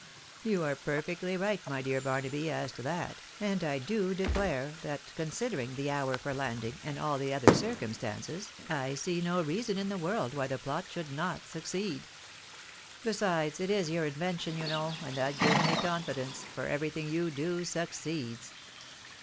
" You are perfectly right, my dear Barnaby, as to that, and I do declare that, considering the hour for landing, and all the other circumstances, I see no reason in the world why the plot should not succeed. Besides, it is your invention, you know, and that gives me confidence, for everything you do succeeds."